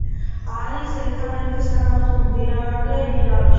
არის ერთადერთი სანაოსნო მდინარე ირანში.